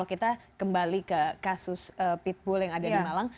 kita kembali ke kasus pitbull yang ada di malang